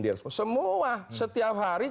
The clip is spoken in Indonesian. di respon semua setiap hari